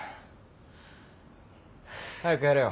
早くやれよ。